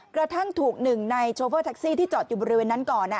กระทั่งถูกหนึ่งในโชเฟอร์แท็กซี่ที่จอดอยู่บริเวณนั้นก่อน